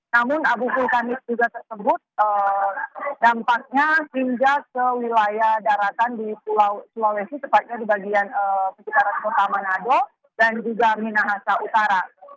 namun abu vulkanis juga tersebut dampaknya hingga ke wilayah daratan di pulau sulawesi tepatnya di bagian sekitaran kota manado dan juga minahasa utara